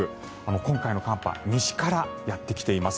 今回の寒波西からやってきています。